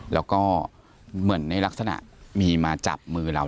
แล้วก็เหมือนในลักษณะมีมาจับมือเรา